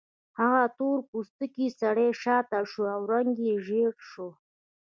هغه تور پوستکی سړی شاته شو او رنګ یې ژیړ شو